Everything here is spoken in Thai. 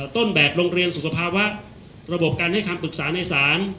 ต้นแบบโรงเรียนสุขภาวะระบบการให้คำปรึกษาในศาล